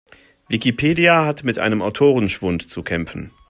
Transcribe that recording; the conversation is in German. Wikipedia hat mit einem Autorenschwund zu kämpfen.